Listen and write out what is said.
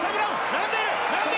並んでいる！